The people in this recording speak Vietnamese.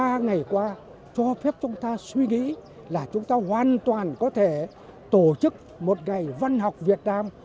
ba ngày qua cho phép chúng ta suy nghĩ là chúng ta hoàn toàn có thể tổ chức một ngày văn học việt nam